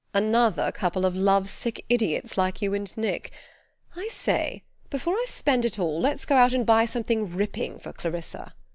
"Another couple of love sick idiots like you and Nick.... I say, before I spend it all let's go out and buy something ripping for Clarissa."